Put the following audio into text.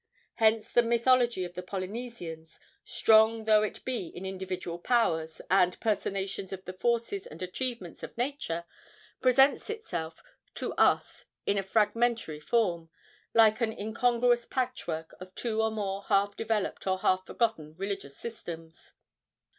Hence the mythology of the Polynesians, strong though it be in individual powers and personations of the forces and achievements of nature, presents itself to us in a fragmentary form, like an incongruous patchwork of two or more half developed or half forgotten religious systems.